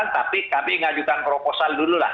tapi kami mengajukan proposal dulu lah